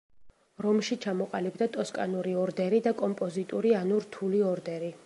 რომში ჩამოყალიბდა ტოსკანური ორდერი და კომპოზიტური ანუ რთული ორდერი.